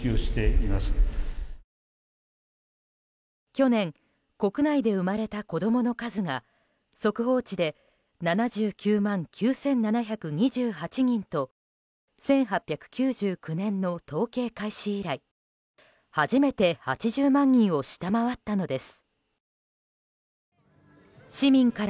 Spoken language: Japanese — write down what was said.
去年、国内で生まれた子供の数が速報値で７９万９７２８人と１８９９年の統計開始以来初めて８０万人を下回ったのです。